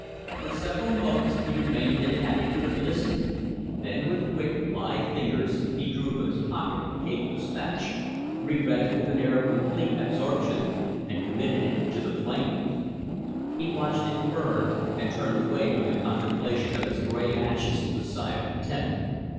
For several moments he remained in an attitude of listening, then with quick, lithe fingers he drew from his pocket a cable dispatch, reread it with an air of complete absorption, and committed it to the flames. He watched it burn, and turned away from the contemplation of its grey ashes with a sigh of content.